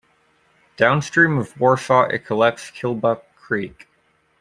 Downstream of Warsaw it collects Killbuck Creek.